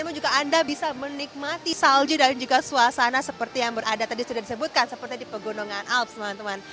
namun juga anda bisa menikmati salju dan juga suasana seperti yang berada tadi sudah disebutkan seperti di pegunungan alps teman teman